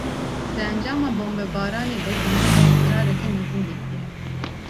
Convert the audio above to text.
Di encama bombebaranê de gundiyan, zirareke mezin dîtiye